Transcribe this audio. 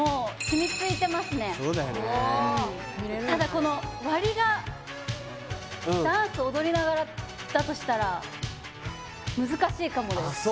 そうだよねうんただこの割りがダンス踊りながらだとしたら難しいかもですあっ